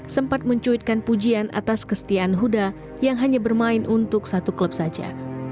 sempat mencuitkan pujian atas kestiaan huda yang hanya bermain untuk satu klub saja